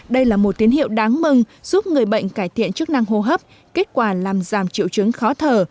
đây là một tín hiệu đáng mừng giúp người bệnh cải thiện chức năng hô hấp kết quả làm giảm triệu chứng khó thở